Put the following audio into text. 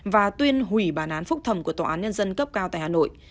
và tuyên hủy bản án phúc thẩm của tòa án nhân dân cấp cao tại hà nội